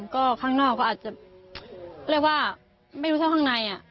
ก็ข้างนอกก็อาจจะเรียกว่าไม่รู้เท่าข้างใน